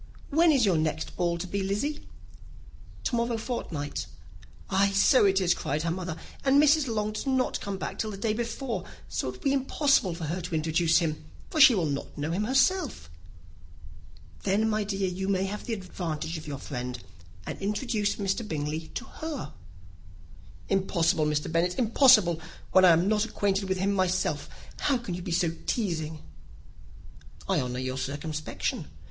"When is your next ball to be, Lizzy?" "To morrow fortnight." "Ay, so it is," cried her mother, "and Mrs. Long does not come back till the day before; so, it will be impossible for her to introduce him, for she will not know him herself." "Then, my dear, you may have the advantage of your friend, and introduce Mr. Bingley to her." "Impossible, Mr. Bennet, impossible, when I am not acquainted with him myself; how can you be so teasing?" "I honour your circumspection.